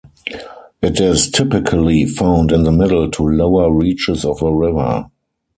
It is typically found in the middle to lower reaches of a river.